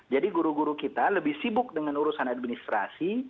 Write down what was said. jadi guru guru kita lebih sibuk dengan urusan administrasi